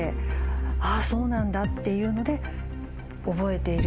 あぁそうなんだっていうので覚えている。